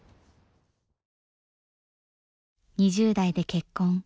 ２０代で結婚。